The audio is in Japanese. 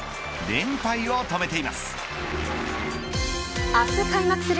連敗を止めています。